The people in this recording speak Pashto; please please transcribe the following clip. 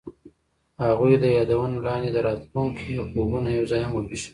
هغوی د یادونه لاندې د راتلونکي خوبونه یوځای هم وویشل.